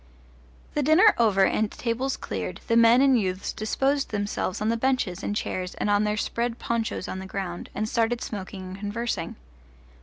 The dinner over and tables cleared, the men and youths disposed themselves on the benches and chairs and on their spread ponchos on the ground, and started smoking and conversing.